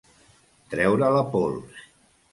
Treure la pols.